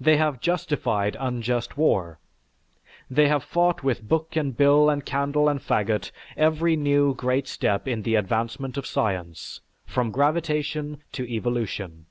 They have justified unjust war. They have fought with book and bill and candle and fagot every new great step in the advancement of science from gravitation to evolution.